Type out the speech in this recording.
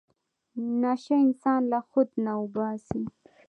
نشه انسان له خود نه اوباسي.